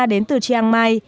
đến từ chiang mai